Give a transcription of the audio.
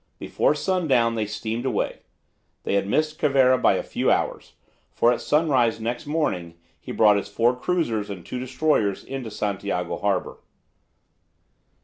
Before sundown they steamed away. They had missed Cervera by a few hours, for at sunrise next morning he brought his four cruisers and two destroyers into Santiago harbour.